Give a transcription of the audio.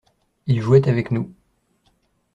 Il jouait avec nous.